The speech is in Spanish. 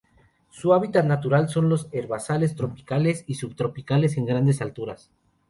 Su hábitat natural son los herbazales tropicales y subtropicales en grandes alturas.